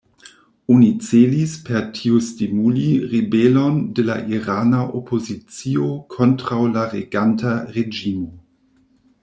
Oni celis per tio stimuli ribelon de la irana opozicio kontraŭ la reganta reĝimo.